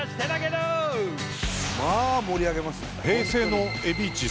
まあ盛り上げますね。